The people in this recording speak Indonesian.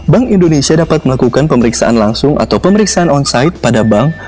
bank indonesia dapat melakukan pemeriksaan langsung atau pemeriksaan onside pada bank